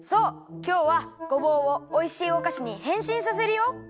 きょうはごぼうをおいしいおかしにへんしんさせるよ！